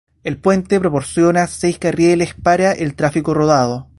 El puente proporciona seis carriles para el tráfico rodado.